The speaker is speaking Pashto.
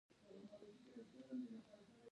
انګلیسي د تمرین له لارې زده کېږي